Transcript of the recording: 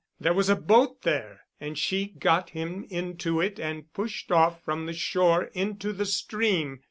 There was a boat there and she got him into it and pushed off from the shore into the stream.